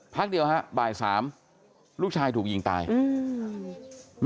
พักเดียวฮะบ่ายสามลูกชายถูกยิงตายอืม